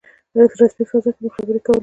رسمي فضا کې مو خبرې کولې.